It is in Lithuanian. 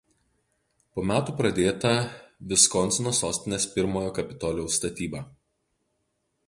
Po metų pradėta Viskonsino sostinės pirmojo kapitolijaus statyba.